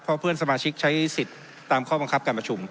เพราะเพื่อนสมาชิกใช้สิทธิ์ตามข้อบังคับการประชุม